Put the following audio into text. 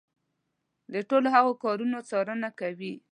د ټولو هغو کارونو څارنه کوي.